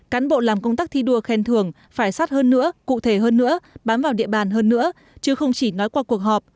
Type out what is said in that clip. cán bộ làm công tác thi đua khen thưởng phải sát hơn nữa cụ thể hơn nữa bám vào địa bàn hơn nữa chứ không chỉ nói qua cuộc họp